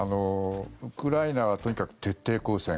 ウクライナはとにかく徹底抗戦